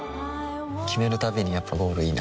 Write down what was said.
決めるたびにやっぱゴールいいなってふん